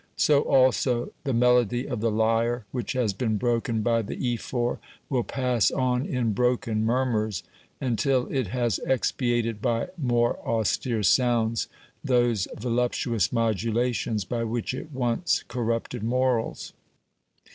So also the melody of the lyre which has been broken by the ephor will pass on in broken murmurs until it has expiated by more austere sounds those voluptuous modulations by which it once corrupted morals.